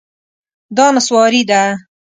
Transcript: دا نسواري ده